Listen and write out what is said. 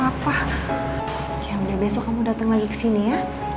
jangan lupa besok kamu datang lagi kesini ya